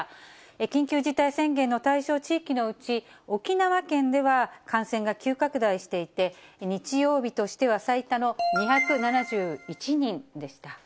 緊急事態宣言の対象地域のうち、沖縄県では感染が急拡大していて、日曜日としては最多の２７１人でした。